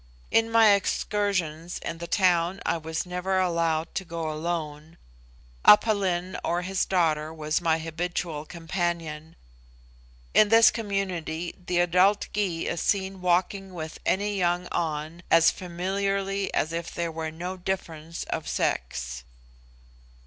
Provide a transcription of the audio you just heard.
In my excursions in the town I was never allowed to go alone; Aph Lin or his daughter was my habitual companion. In this community the adult Gy is seen walking with any young An as familiarly as if there were no difference of sex.